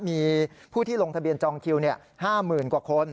มีผู้ที่ลงทะเบียนจองคิว๕๐๐๐กว่าคน